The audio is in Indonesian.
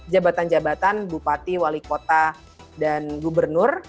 jabatan jabatan bupati wali kota dan gubernur